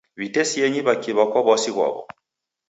W'itesienyi w'akiw'a kwa w'asi ghwaw'o.